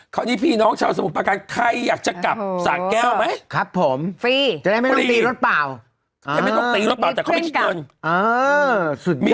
คราวนี้พี่น้องชาวสมุทรประการใครอยากจะกลับสะแก้วไหม